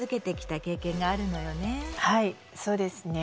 はいそうですね。